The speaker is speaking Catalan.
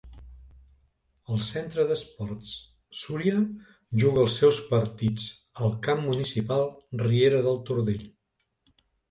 El Centre d'Esports Súria juga els seus partits al camp municipal Riera del Tordell.